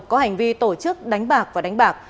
có hành vi tổ chức đánh bạc và đánh bạc